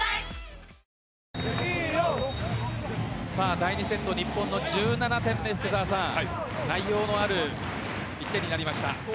第２セット、日本の１７点目内容のある１点になりました。